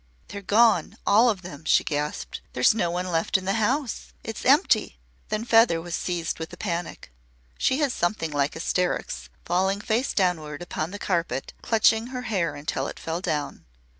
"They're gone all of them!" she gasped. "There's no one left in the house. It's empty!" Then was Feather seized with a panic. She had something like hysterics, falling face downward upon the carpet and clutching her hair until it fell down.